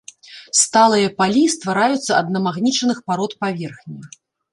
Сталыя палі ствараюцца ад намагнічаных парод паверхні.